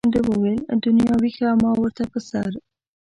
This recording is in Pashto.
ده وویل دنیا وښیه ما ورته په سر.